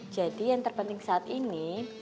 jadi yang terpenting saat ini